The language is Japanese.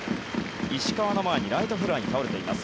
石川の前にライトフライに倒れています。